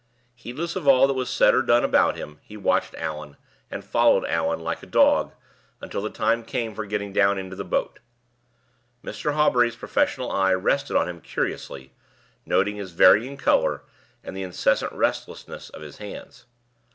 Heedless of all that was said or done about him, he watched Allan, and followed Allan, like a dog, until the time came for getting down into the boat. Mr. Hawbury's professional eye rested on him curiously, noting his varying color, and the incessant restlessness of his hands.